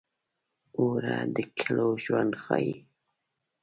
اوړه د کلو ژوند ښيي